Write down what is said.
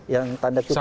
yang tanda kesalahan